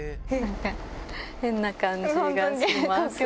変な感じがします。